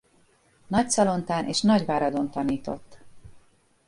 Nagyszalontán és Nagyváradon tanított.